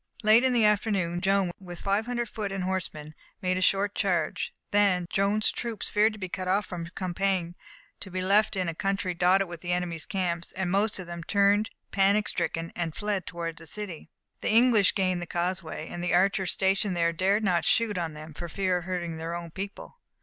Late in the afternoon, Joan, with five hundred foot and horsemen, made a short charge. Then Joan's troops feared to be cut off from Compiègne, to be left in a country dotted with the enemy's camps, and most of them turned, panic stricken, and fled towards the city. The English gained the causeway, and the archers stationed there dared not shoot on them for fear of hurting their own people.